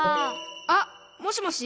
あっもしもし。